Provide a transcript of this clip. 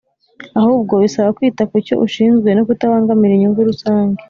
ahubwo bisaba kwita ku cyo ushinzwe no kutabangamira inyungu rusange